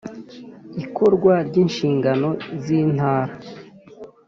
bikorwa ry inshingano z Intara